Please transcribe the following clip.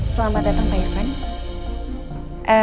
selamat datang pak irvan